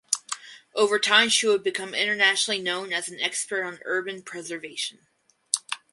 Over time she would become internationally known as an expert on urban preservation.